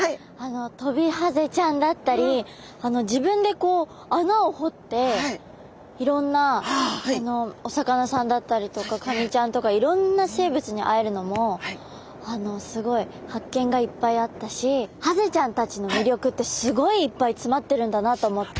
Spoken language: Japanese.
トビハゼちゃんだったり自分でこう穴を掘っていろんなお魚さんだったりとかカニちゃんとかいろんな生物に会えるのもすごい発見がいっぱいあったしハゼちゃんたちの魅力ってすごいいっぱい詰まってるんだなと思って。